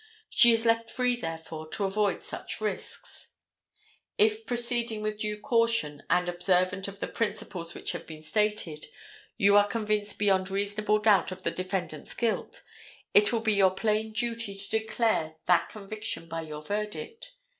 She is left free, therefore, to avoid such risks. If, proceeding with due caution, and observant of the principles which have been stated, you are convinced beyond reasonable doubt of the defendant's guilt, it will be your plain duty to declare that conviction by your verdict.